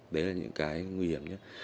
đấy là những cái nguy hiểm nhất